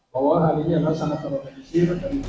bahwa hal ini adalah sangat terorganisir